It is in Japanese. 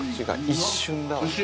一瞬だわ」